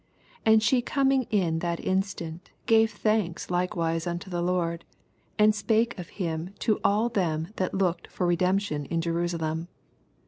88 And she coming in that instant gave thanks likewise onto the Lord, and snake of him to ail them that lookea for redemption in Jerusalem.